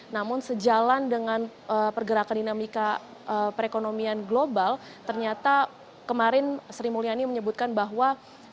namun sejalan dengan pergerakan dinamika perekonomian global ternyata kemarin sri mulyani menyebutkan bahwa